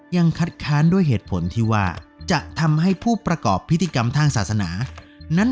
ยังคัดค้านด้วยเหตุผลที่ว่าจะทำให้ผู้ประกอบพิธีกรรมทางศาสนานั้น